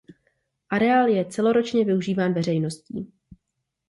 Areál je celoročně využíván veřejností.